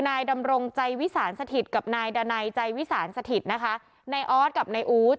นายดำรงใจวิสานสถิตกับนายดานัยใจวิสานสถิตนะคะนายออสกับนายอู๊ด